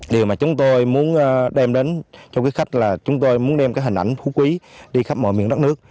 điều mà chúng tôi muốn đem đến cho quý khách là chúng tôi muốn đem cái hình ảnh phú quý đi khắp mọi miền đất nước